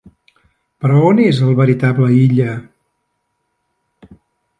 Però on és el veritable Illa?